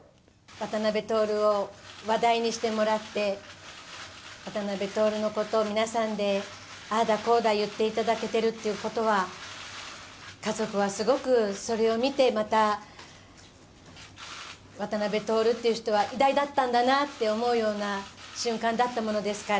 「渡辺徹を話題にしてもらって渡辺徹の事を皆さんでああだこうだ言って頂けているっていう事は家族はすごくそれを見てまた渡辺徹っていう人は偉大だったんだなって思うような瞬間だったものですから」